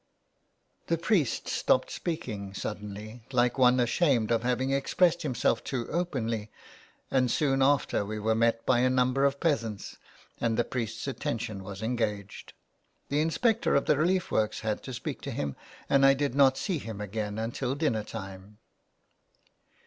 The priest stopped speaking suddenly, like one ashamed of having expressed himself too openly, and soon after we were met by a number of peasants, and the priest's attention was engaged ; the inspector of the relief works had to speak to him ; and I did not see him again until dinner time.